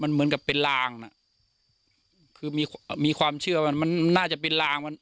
มันเหมือนกับเป็นล้างคือมีความเชื่อมันมันน่าจะเป็นล้าง